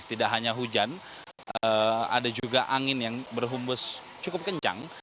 tidak hanya hujan ada juga angin yang berhumbus cukup kencang